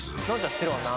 知ってるもんな